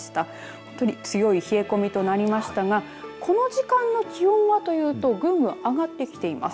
本当に強い冷え込みとなりましたがこの時間の気温はというとぐんぐん上がってきています。